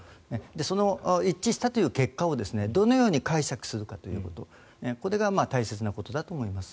その一致したという結果をどのように解釈するかということこれが大切なことだと思います。